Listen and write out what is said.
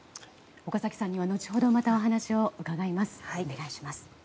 岡崎さんには後ほどまたお話を伺います。